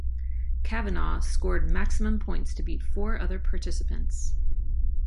Kavanagh scored maximum points to beat four other participants.